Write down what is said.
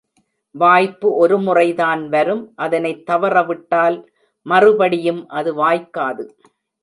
வாய்ப்பு ஒரு முறைதான் வரும் அதனைத் தவற விட்டால் மறுபடியும் அது வாய்க்காது.